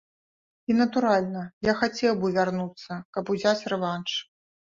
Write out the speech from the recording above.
І, натуральна, я хацеў бы вярнуцца, каб узяць рэванш.